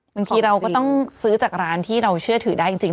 บางทีเราก็ต้องซื้อจากร้านที่เราเชื่อถือได้จริง